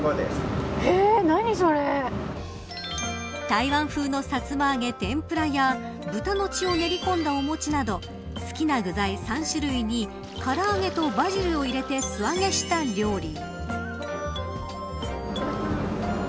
台湾風のさつま揚げテンプラや豚の血を練り込んだお餅など好きな具材３種類にから揚げとバジルを入れて素揚げした料理。